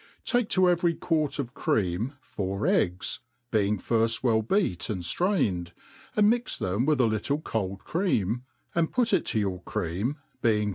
Take to every quart of cream four eggs, being firft well beat and drained, and mix them with a little cold cream, and put it to your cream, being firf!